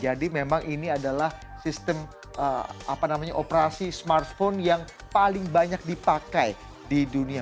jadi memang ini adalah sistem operasi smartphone yang paling banyak dipakai di dunia